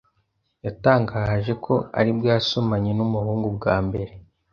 yatangaje ko aribwo yasomanye n’umuhungu bwa mbere